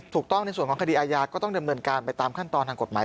ถูกต้องในส่วนของคดีอาญาก็ต้องดำเนินการไปตามขั้นตอนทางกฎหมาย